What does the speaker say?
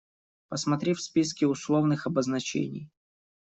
Посмотри в списке условных обозначений.